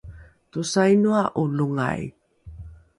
tosainoa’o longai?